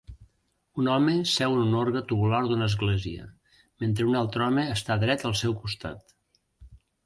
Un home seu en un orgue tubular d'una església, mentre un altre home està dret al seu costat.